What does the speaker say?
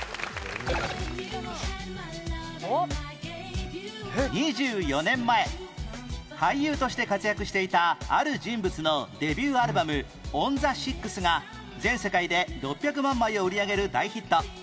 「Ｉｆｙｏｕｈａｄｍｙｌｏｖｅ」２４年前俳優として活躍していたある人物のデビューアルバム『ＯｎＴｈｅ６』が全世界で６００万枚を売り上げる大ヒット